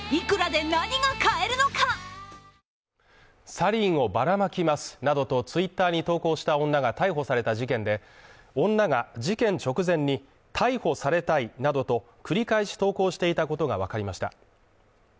サリンをばらまきますなどとツイッターに投稿した女が逮捕された事件で、女が事件直前に逮捕されたいなどと繰り返し投稿していたことがわかりました。